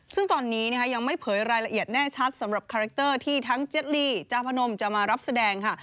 ซึ่งตอนนี้ยังไม่เผยรายละเอียดแน่ชัดสำหรับคาแรคเตอร์ที่ทั้งเจ็ดลีจาพนมจะมารับแสดงค่ะ